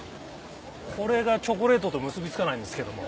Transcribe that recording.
これがチョコレートと結び付かないんですけども。